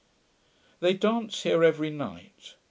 They dance here every night.